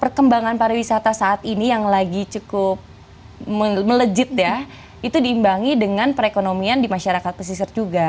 perkembangan pariwisata saat ini yang lagi cukup melejit ya itu diimbangi dengan perekonomian di masyarakat pesisir juga